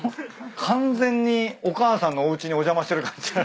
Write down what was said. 完全にお母さんのおうちにお邪魔してる感じが。